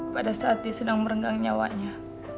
pada saat dia sedang merenggang nyawanya